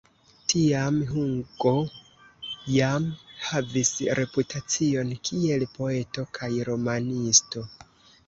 Tiam Hugo jam havis reputacion kiel poeto kaj romanisto.